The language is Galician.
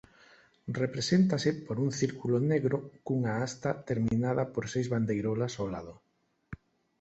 Represéntase por un círculo negro cunha hasta terminada por seis bandeirolas ao lado.